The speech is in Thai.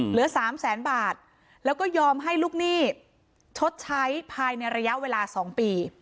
เหลือสามแสนบาทแล้วก็ยอมให้ลูกหนี้ชดใช้ภายในระยะเวลา๒ปี